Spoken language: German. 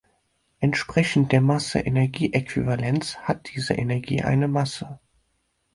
Entsprechend der Masse-Energie-Äquivalenz hat diese Energie eine Masse.